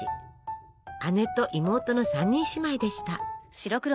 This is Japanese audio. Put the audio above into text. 姉と妹の３人姉妹でした。